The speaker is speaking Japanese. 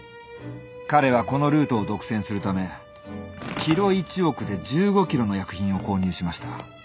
彼はこのルートを独占するためｋｇ１億で１５ｋｇの薬品を購入しました。